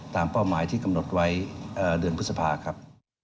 เป้าหมายที่กำหนดไว้เดือนพฤษภาครับ